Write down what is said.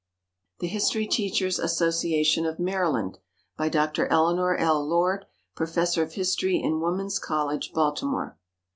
THE HISTORY TEACHERS' ASSOCIATION OF MARYLAND. BY DR. ELEANOR L. LORD, Professor of History in Woman's College, Baltimore.